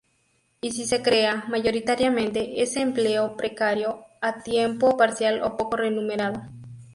Y si se crea, mayoritariamente es empleo precario, a tiempo parcial o poco remunerado.